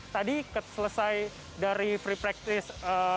tadi selesai dari free practice setelah dilakukan